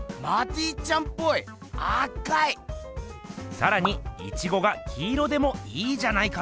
さらにイチゴが黄色でもいいじゃないかと。